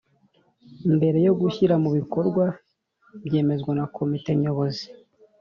mbere yo gushyira mu bikorwa byemezwa na Komite Nyobozi.